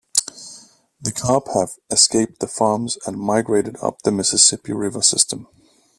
The carp have escaped the farms and migrated up the Mississippi River system.